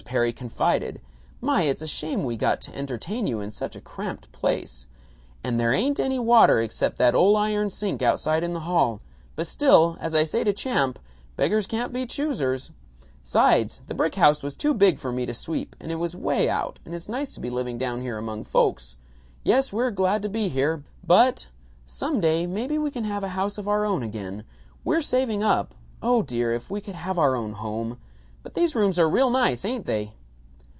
Perry confided, "My, it's a shame we got to entertain you in such a cramped place. And there ain't any water except that ole iron sink outside in the hall, but still, as I say to Champ, beggars can't be choosers. 'Sides, the brick house was too big for me to sweep, and it was way out, and it's nice to be living down here among folks. Yes, we're glad to be here. But Some day, maybe we can have a house of our own again. We're saving up Oh, dear, if we could have our own home! But these rooms are real nice, ain't they!"